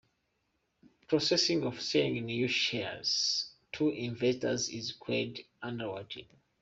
The process of selling new shares to investors is called underwriting.